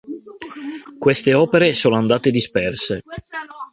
Queste opere sono andate disperse.